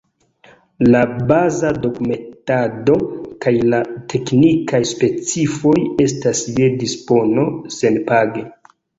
La baza dokumentado kaj la teknikaj specifoj estas je dispono senpage.